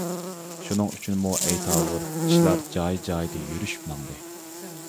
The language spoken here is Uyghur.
شۇنىڭ ئۈچۈنمۇ ئەيتاۋۇر ئىشلار جايى جايىدا يۈرۈشۈپ ماڭدى.